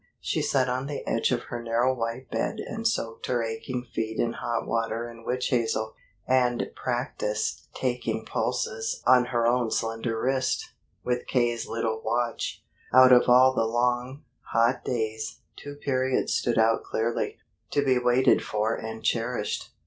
She sat on the edge of her narrow white bed and soaked her aching feet in hot water and witch hazel, and practiced taking pulses on her own slender wrist, with K.'s little watch. Out of all the long, hot days, two periods stood out clearly, to be waited for and cherished.